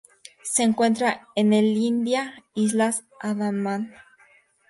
Se encuentra en el India: islas Andaman.